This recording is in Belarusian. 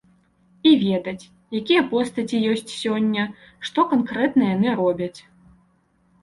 І ведаць, якія постаці ёсць сёння, што канкрэтна яны робяць.